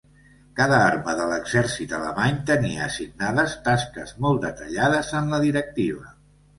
Cada arma de l'Exèrcit alemany tenia assignades tasques molt detallades en la Directiva.